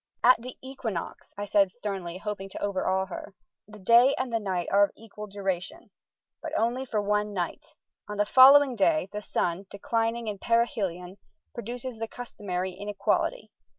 "At the equinox," I said sternly, hoping to overawe her, "the day and the night are of equal duration. But only for one night. On the following day the sun, declining in perihelion, produces the customary inequality.